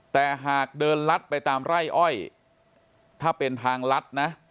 แต่หากเดินลัดไปตามไร่อ้อยถ้าเป็นทางลัดนะ